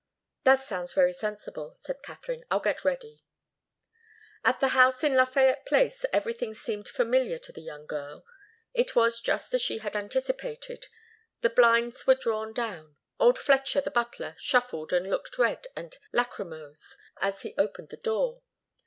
"That sounds very sensible," said Katharine. "I'll get ready." At the house in Lafayette Place everything seemed familiar to the young girl. It was just as she had anticipated. The blinds were drawn down. Old Fletcher, the butler, shuffled and looked red and lachrymose, as he opened the door.